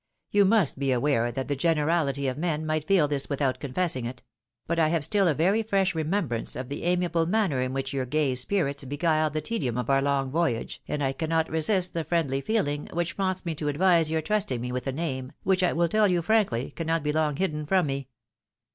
You 248 THE WIDOW MARRIED. must be aware that the generality of men might feel this ■without confessing it ; but I have still a very fresh remem brance of the amiable manner in which your gay spirits beguiled the tedium of our long voyage, and I cannot resist the friendly feeling which prompts me to advise your trusting me with a name, which I wiU tell you frankly, cannot be long hidden from me.